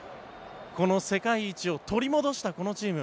この世界一を取り戻したこのチーム。